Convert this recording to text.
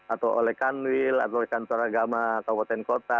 atau oleh kanwil atau oleh kantor agama kabupaten kota